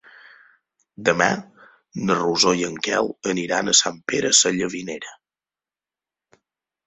Demà na Rosó i en Quel aniran a Sant Pere Sallavinera.